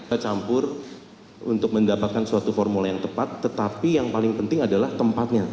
kita campur untuk mendapatkan suatu formula yang tepat tetapi yang paling penting adalah tempatnya